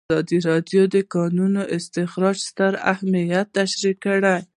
ازادي راډیو د د کانونو استخراج ستر اهميت تشریح کړی.